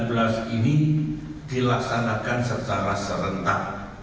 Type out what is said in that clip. pemilu dua ribu sembilan belas ini dilaksanakan secara serentak